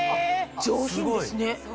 上品ですね。